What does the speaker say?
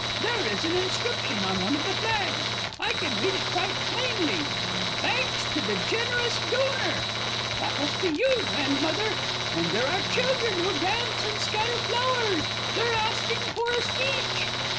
There is an inscription on one of the flags I can read it quite plainly. "Thanks to the generous Donor!" (That must be you, Grandmother!) And there are children who dance, and scatter flowers. They are asking for a speech.